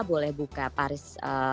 boleh buka paris